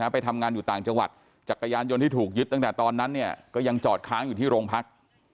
ไปทำงานอยู่ต่างจังหวัดจักรยานยนต์ที่ถูกยึดตั้งแต่ตอนนั้นเนี่ยก็ยังจอดค้างอยู่ที่โรงพัก